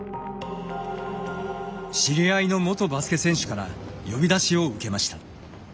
知り合いの元バスケ選手から呼び出しを受けました。